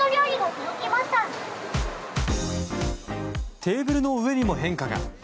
テーブルの上にも変化が。